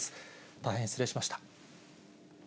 大変失礼しました。